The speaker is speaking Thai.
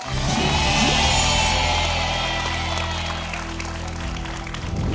เย้